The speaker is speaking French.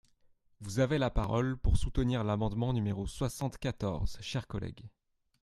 Vous avez la parole pour soutenir l’amendement numéro soixante-quatorze, cher collègue.